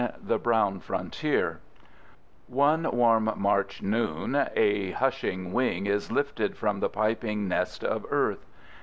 THE BROWN FRONTIER One warm March noon a hushing wing is lifted from the piping nest of earth.